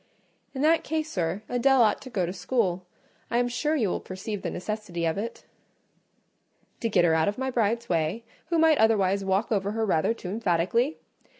"In that case, sir, Adèle ought to go to school: I am sure you will perceive the necessity of it." "To get her out of my bride's way, who might otherwise walk over her rather too emphatically?